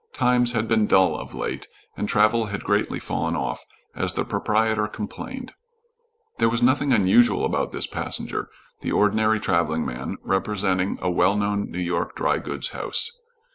Times had been dull of late and travel had greatly fallen off, as the proprietor complained. There was nothing unusual about this passenger, the ordinary traveling man, representing a well known New York dry goods house.